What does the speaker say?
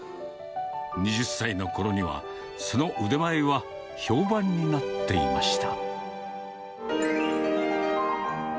２０歳のころにはその腕前は評判になっていました。